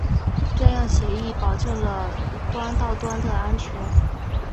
这样协议保证了端到端的安全。